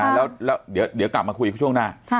แล้วเดี๋ยวกลับมาคุยช่วงหน้า